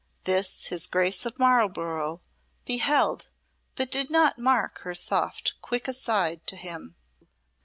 This his Grace of Marlborough beheld but did not mark her soft quick aside to him.